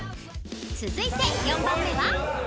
［続いて４番目は？］